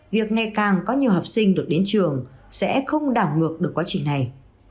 việc ngày càng có nhiều học sinh được đến trường sẽ không đảo ngược được quá trình này